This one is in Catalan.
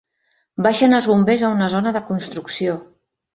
Baixen els bombers a una zona de construcció.